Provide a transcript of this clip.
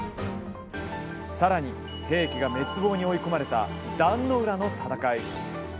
さらに平家が滅亡に追い込まれた壇の浦の戦い。